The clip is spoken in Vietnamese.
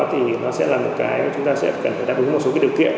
thì nó sẽ là một cái chúng ta sẽ cần phải đáp ứng một số cái điều kiện